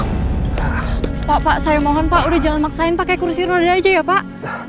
pak pak saya mohon pak udah jangan maksain pakai kursi roda aja ya pak